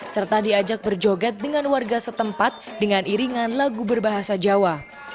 serta diajak berjoget dengan warga setempat dengan iringan lagu berbahasa jawa